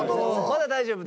まだ大丈夫。